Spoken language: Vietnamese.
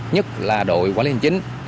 nhất là đội quản lý hành chính